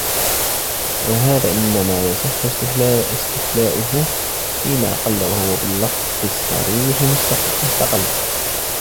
وَهَذَا إنَّمَا يَصِحُّ اسْتِحْلَاؤُهُ فِيمَا قَلَّ وَهُوَ بِاللَّفْظِ الصَّرِيحِ مُسْتَقَلٌّ